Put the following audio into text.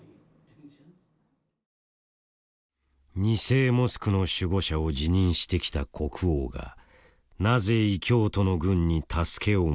二聖モスクの守護者を自認してきた国王がなぜ異教徒の軍に助けを求めるのか。